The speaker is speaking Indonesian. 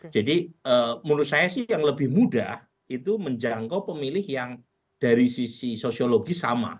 jadi menurut saya sih yang lebih mudah itu menjangkau pemilih yang dari sisi sosiologi sama